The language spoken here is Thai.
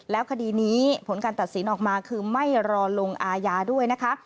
แล้วคดีนี้ผลการตัดสินออกมาคือไม่รอลงอาญาด้วยนะคะ